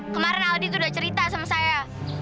kemarin aldi tuh udah cerita sama saya